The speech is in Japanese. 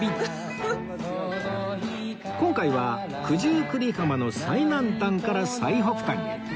今回は九十九里浜の最南端から最北端へ